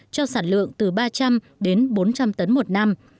cho sản lượng từ ba trăm linh đến bốn trăm linh tấn một năm